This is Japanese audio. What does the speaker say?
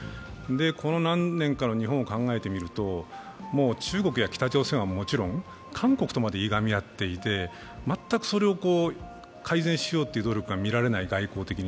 この何年かの日本を考えてみると、中国や北朝鮮はもちろん韓国とまでいがみ合っていて、全くそれを改善しようとする努力が外交的に見られない。